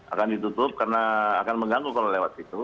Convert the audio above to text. akan ditutup karena akan mengganggu kalau lewat situ